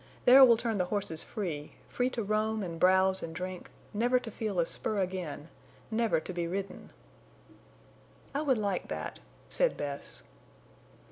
There we'll turn the horses free—free to roam and browse and drink—never to feel a spur again—never to be ridden!" "I would like that," said Bess.